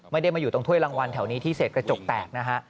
ไม่ได้มาอยู่ตรงถ้วยรางวัลแถวนี้ที่เศษกระจกแตกนะฮะ